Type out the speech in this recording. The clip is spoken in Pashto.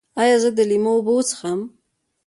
ایا زه د لیمو اوبه وڅښم؟